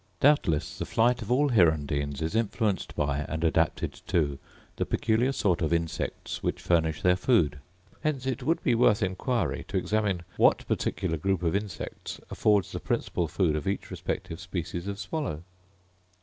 Doubtless the flight of all hirundines is influenced by, and adapted to, the peculiar sort of insects which furnish their food. Hence it would be worth inquiry to examine what particular group of insects affords the principal food of each respective species of swallow.